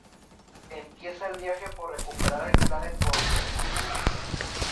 Empieza el viaje por recuperar el "Planet Buster".